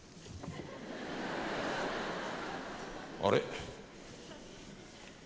あれ？